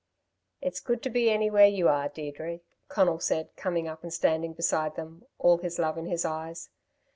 "It's good to be anywhere you are, Deirdre!" Conal said, coming up and standing beside them, all his love in his eyes.